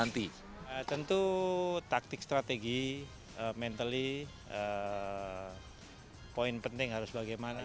tentu taktik strategi mental poin penting harus bagaimana